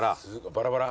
バラバラ？